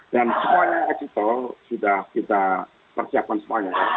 dan semuanya exit tol sudah kita persiapkan semuanya